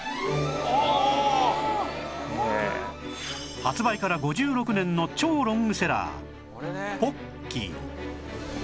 発売から５６年の超ロングセラーポッキー